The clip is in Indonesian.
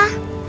aku punya rumah